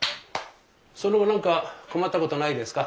その後何か困ったことはないですか？